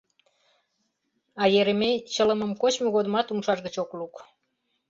А Еремей чылымым кочмо годымат умшаж гыч ок лук.